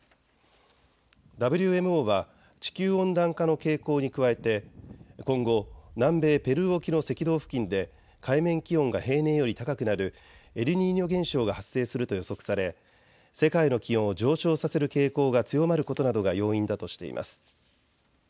ＷＭＯは地球温暖化の傾向に加えて今後、南米ペルー沖の赤道付近で海面気温が平年より高くなるエルニーニョ現象が発生すると予測され世界の気温を上昇させる傾向が強まることなどが要因だとしています。